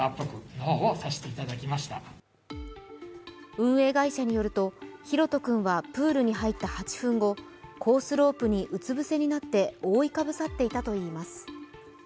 運営会社によると大翔君はプールに入った８分後、コースロープにうつ伏せになって覆いかぶさっていたといいます。